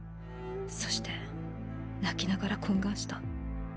そして泣きながら懇願した。